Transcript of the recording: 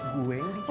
gue yang kecap